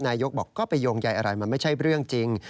นายกบอกก็ไปโยงใยอะไรมันไม่ใช่เรื่องจริง